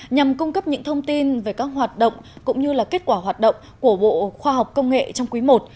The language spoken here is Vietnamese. nhằm cung cấp những thông tin về các hoạt động cũng như kết quả hoạt động của bộ khoa học công nghệ trong quý i